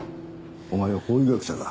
お前は法医学者だ。